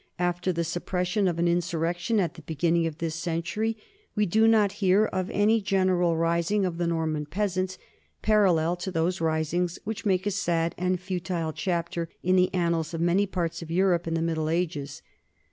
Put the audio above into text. After the suppression of an insurrection at the beginning of this century, we do not hear of any general rising of the Norman peasants, parallel to those risings which make a sad and futile chapter in the annals of many parts of Europe in the Middle Ages.